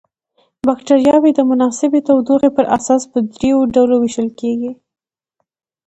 بکټریاوې د مناسبې تودوخې پر اساس په دریو ډلو ویشل کیږي.